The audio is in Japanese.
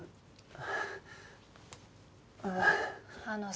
ああ。